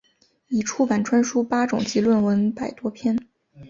已出版专书八种及论文百多篇。